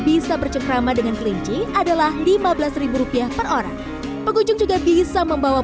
bisa bercengkrama dengan kelinci adalah lima belas rupiah per orang pengunjung juga bisa membawa